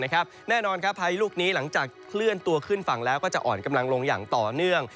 แน่นอนพายุลูกนี้หลังจากเคลื่อนตัวขึ้นฝั่งแล้วก็จะอ่อนกำลังลงอย่างต่อเนื่อง